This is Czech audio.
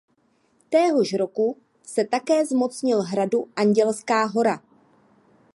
Téhož roku se také zmocnil hradu Andělská Hora.